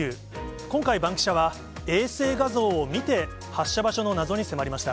今回、バンキシャは、衛星画像を見て発射場所の謎に迫りました。